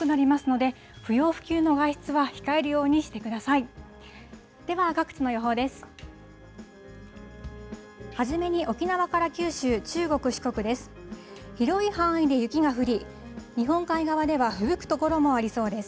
では各地の予報です。